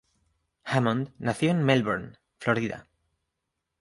Hammond nació en Melbourne, Florida.